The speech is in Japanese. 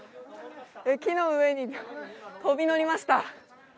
木の上に跳び乗りました。